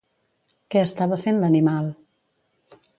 Què estava fent l'animal?